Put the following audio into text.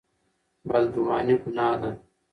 بدګماني ګناه ده.